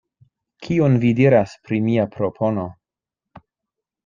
Kion vi diras pri mia propono?